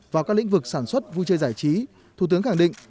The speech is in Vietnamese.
vào các lĩnh vực sản xuất vui chơi giải trí thủ tướng khẳng định